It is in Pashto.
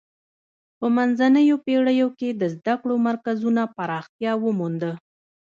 په منځنیو پیړیو کې د زده کړو مرکزونو پراختیا ومونده.